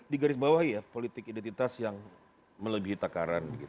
di garis bawah ya politik identitas yang melebihi takaran